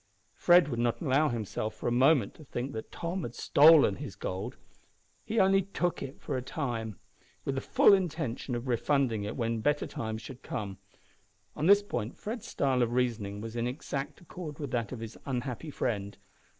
Fred would not allow himself for a moment to think that Tom had stolen his gold. He only took it for a time, with the full intention of refunding it when better times should come. On this point Fred's style of reasoning was in exact accord with that of his unhappy friend.